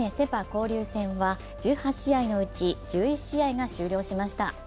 交流戦は１８試合のうち１１試合が終了しました。